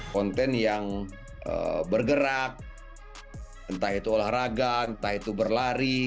konten yang bergerak entah itu olahraga entah itu berlari